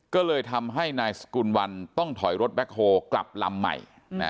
ก็เลยทำให้นายสกุลวันต้องถอยรถแบ็คโฮกลับลำใหม่